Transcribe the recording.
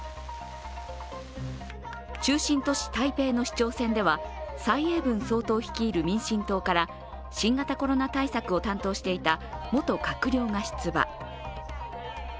中心都市・台北の市長選では蔡英文総統率いる民進党から新型コロナ対策を担当していた元閣僚が出馬。